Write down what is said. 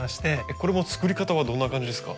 これも作り方はどんな感じですか？